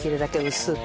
薄く？